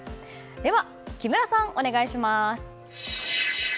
では木村さん、お願いします。